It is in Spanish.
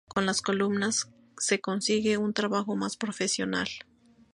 Con las columnas se consigue un trabajo más profesional.